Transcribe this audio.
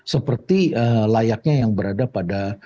seperti layaknya yang berada pada